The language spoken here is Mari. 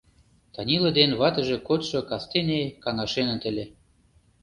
Танила ден ватыже кодшо кастене каҥашеныт ыле.